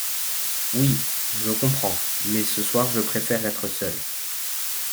Oui, je comprends, mais ce soir je préfère être seul.